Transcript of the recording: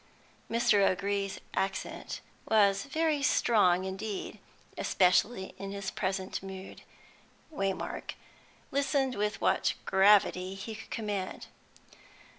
Mr. O'Gree's accent was very strong indeed, especially in his present mood. Waymark listened with what gravity he could command.